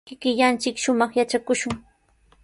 Kikillanchik shumaq yatrakushun.